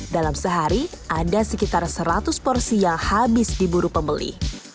dalam sehari ada sekitar seratus porsi yang habis diburu pembeli